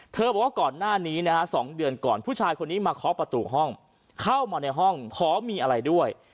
บอกว่าก่อนหน้านี้นะฮะ๒เดือนก่อนผู้ชายคนนี้มาเคาะประตูห้องเข้ามาในห้องขอมีอะไรด้วย